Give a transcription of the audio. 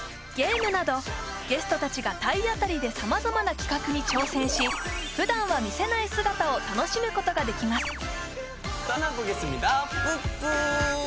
ゲームなどゲスト達が体当たりでさまざまな企画に挑戦し普段は見せない姿を楽しむことができます